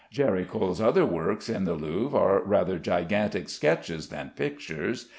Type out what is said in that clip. Géricault's other works in the Louvre are rather gigantic sketches than pictures.